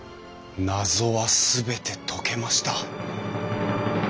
謎は全て解けました！